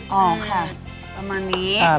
ออกค่ะประมาณนี้